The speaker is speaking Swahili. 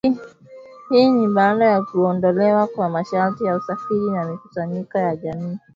Hii ni baada ya kuondolewa kwa masharti ya usafiri na mikusanyiko ya kijamii, na kuimarishwa kwa sekta ya habari na mawasiliano.